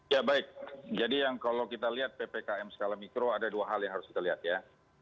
ya baik jadi yang kalau kita lihat ppkm skala mikro ada dua hal yang harus kita lihat ya